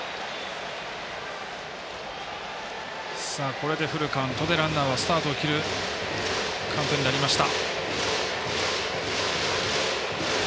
これでフルカウントでランナーはスタートを切るカウントになりました。